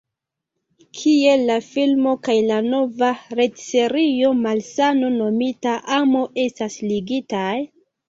Kiel la filmo kaj la nova retserio Malsano Nomita Amo estas ligitaj?